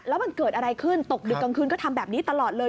แล้วมันเกิดอะไรขึ้นตกดึกกลางคืนก็ทำแบบนี้ตลอดเลย